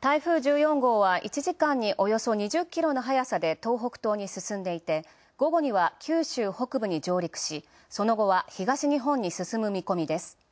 台風１４号は１時間に、およそ２０キロの速さで東北東に進んでいて、午後には上陸し、その後は東日本に進む見込みです。